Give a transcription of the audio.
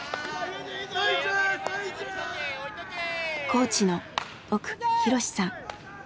コーチの奥裕史さん。